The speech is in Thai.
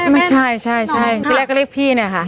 ไม่ใช่ใช่ที่แรกก็เรียกพี่เนี่ยค่ะ